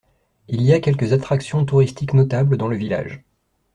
Il y a quelques attractions touristiques notables dans le village.